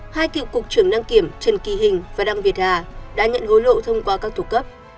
hai cựu cục trưởng đăng kiểm trần kỳ hình và đăng việt hà đã nhận hối lộ thông qua các thủ cấp